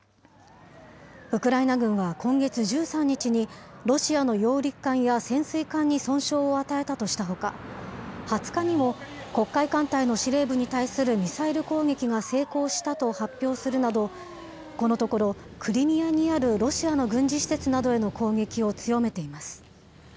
ウクライナ軍は今月１３日に、ロシアの揚陸艦や潜水艦に損傷を与えたとしたほか、２０日にも、黒海艦隊の司令部に対するミサイル攻撃が成功したと発表するなど、このところ、クリミアにあるロシアの軍事施設などへの攻撃を強めています。